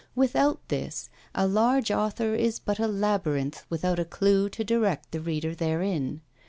Without this, a large author is but a labyrinth without a clue to direct the reader therein.